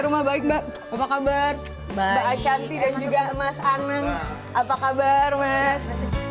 rumah baik mbak apa kabar mbak shanti dan juga emas aneng apa kabar mas